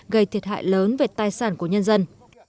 gây thiệt hại lớn về tài sản của nhân dân